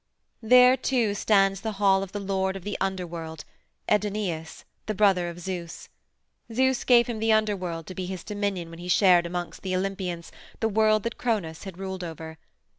There, too, stands the hall of the lord of the Underworld, Aidoneus, the brother of Zeus. Zeus gave him the Underworld to be his dominion when he shared amongst the Olympians the world that Cronos had ruled over.